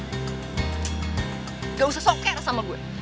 tidak usah soker sama gue